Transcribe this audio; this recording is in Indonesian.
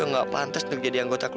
yang aku appreciative